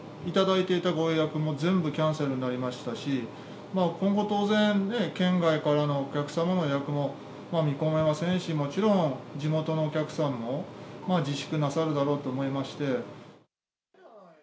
頂いていたご予約も全部キャンセルになりましたし、今後当然、県外からのお客様の予約も見込めませんし、もちろん地元のお客さんも自粛なさるだろうと思いまして。